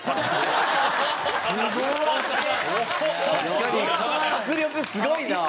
確かに迫力すごいな。